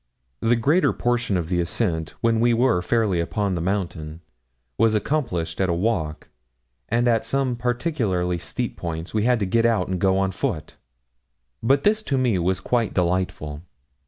The greater portion of the ascent, when we were fairly upon the mountain, was accomplished at a walk, and at some particularly steep points we had to get out and go on foot. But this to me was quite delightful.